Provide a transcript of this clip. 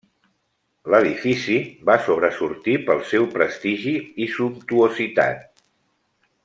L'edifici va sobresortir pel seu prestigi i sumptuositat.